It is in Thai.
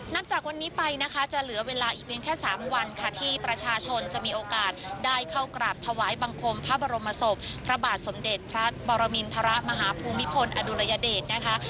จากวันนี้ไปนะคะจะเหลือเวลาอีกเพียงแค่๓วันค่ะที่ประชาชนจะมีโอกาสได้เข้ากราบถวายบังคมพระบรมศพพระบาทสมเด็จพระปรมินทรมาฮภูมิพลอดุลยเดชนะคะ